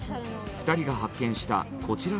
２人が発見したこちらの車。